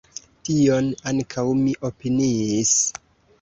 Tion ankaŭ mi opiniis.